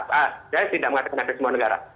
saya tidak mengatakan ada semua negara